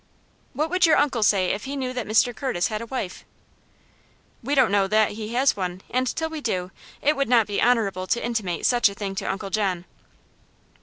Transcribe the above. "What would your uncle say if he knew that Mr. Curtis had a wife?" "We don't know that he has one, and till we do, it would not be honorable to intimate such a thing to Uncle John."